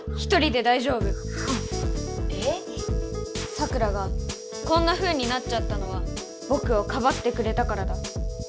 サクラがこんなふうになっちゃったのはぼくをかばってくれたからだ。